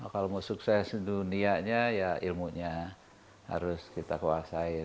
kalau mau sukses dunianya ya ilmunya harus kita kuasain